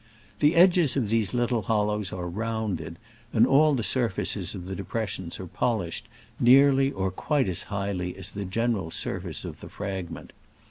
The edges of these little hollows are rounded, and all the sur faces of the depressions are polished nearly or quite as highly as the general surface of the fragment.